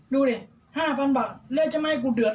ดูดิห้าพันบาทเลือกจะไม่ให้กูเดือดอ่ะ